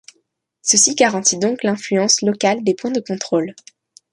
Ceci garantit donc l'influence locale des points de contrôles.